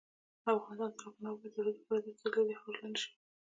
افغانستان تر هغو نه ابادیږي، ترڅو د پردیو سترګې له دې خاورې لرې نشي.